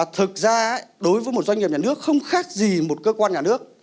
thực ra đối với một doanh nghiệp nhà nước không khác gì một cơ quan nhà nước